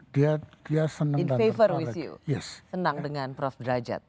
dia senang dengan prof drajat